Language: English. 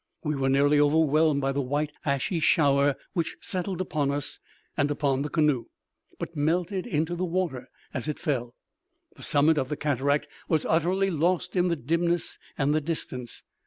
We were nearly overwhelmed by the white ashy shower which settled upon us and upon the canoe, but melted into the water as it fell. The summit of the cataract was utterly lost in the dimness and the distance.